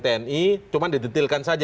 tni cuman didetilkan saja